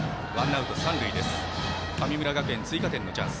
神村学園追加点のチャンス。